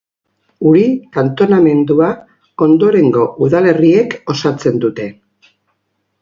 Uri kantonamendua ondorengo udalerriek osatzen dute.